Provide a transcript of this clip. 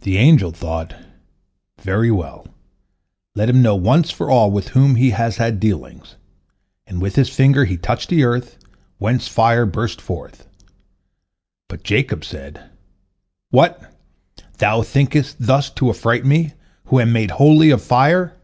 The angel thought, "Very well, let him know once for all with whom he has had dealings," and with his finger he touched the earth, whence fire burst forth. But Jacob said, "What! thou thinkest thus to affright me, who am made wholly of fire?"